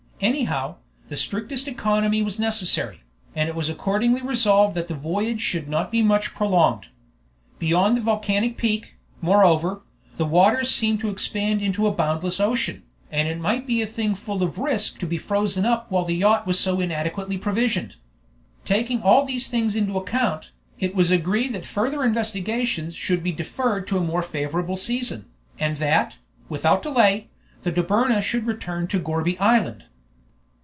Anyhow, the strictest economy was necessary, and it was accordingly resolved that the voyage should not be much prolonged. Beyond the volcanic peak, moreover, the waters seemed to expand into a boundless ocean, and it might be a thing full of risk to be frozen up while the yacht was so inadequately provisioned. Taking all these things into account, it was agreed that further investigations should be deferred to a more favorable season, and that, without delay, the Dobryna should return to Gourbi Island.